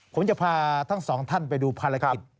ผมจะพาทั้งสองท่านไปดูภารกิจ